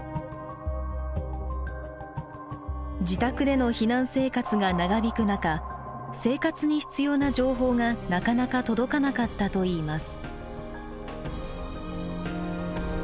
自宅での避難生活が長引く中生活に必要な情報がなかなか届かなかったといいます。